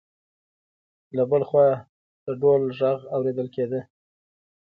له بل خوا د ډول غږ اوریدل کېده.